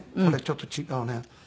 これちょっと違うね。